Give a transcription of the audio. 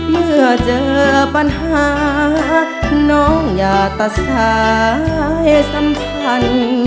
เมื่อเจอปัญหาน้องอย่าตัดสายสัมพันธ์